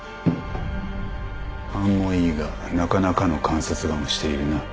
勘もいいがなかなかの観察眼をしているな。